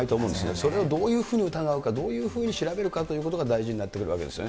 それをどういうふうに疑うか、どういうふうに調べるかということが大事になってくるわけですね。